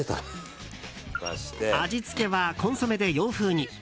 味付けはコンソメで洋風に。